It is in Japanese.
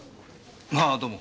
あどうも。